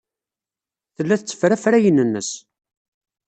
Tella tetteffer afrayen-nnes.